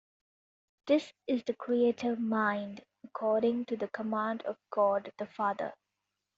This is the creative Mind, according to the command of God the Father.